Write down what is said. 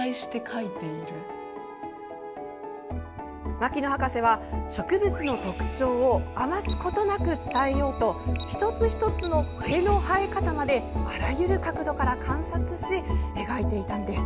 牧野博士は植物の特徴を余すことなく伝えようと一つ一つの毛の生え方まであらゆる角度から観察し描いていたのです。